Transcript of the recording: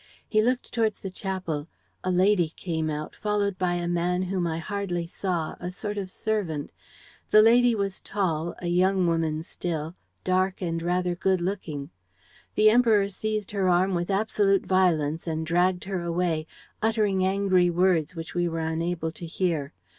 He looked towards the chapel. A lady came out, followed by a man whom I hardly saw, a sort of servant. The lady was tall, a young woman still, dark and rather good looking. ... The Emperor seized her arm with absolute violence and dragged her away, uttering angry words which we were unable to hear.